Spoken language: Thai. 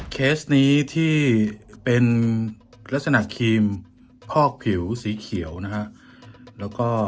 เคสนี้ที่เป็นลักษณะครีมคอกผิวสีเขียวนะฮะแล้วก็